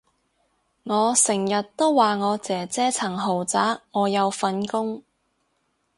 我成日都話我姐姐層豪宅我有份供